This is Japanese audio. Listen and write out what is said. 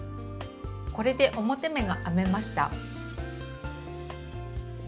これで表目が編めました。